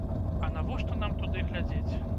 А навошта нам туды глядзець?!